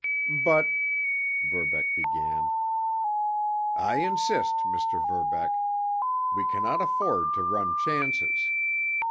"But——" Verbeck began. "I insist, Mr. Verbeck. We cannot afford to run chances.